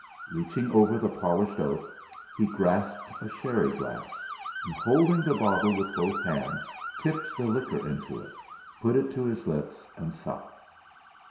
Reaching over the polished oak, he grasped a sherry glass; and holding the bottle with both hands, tipped the liquor into it, put it to his lips and sucked.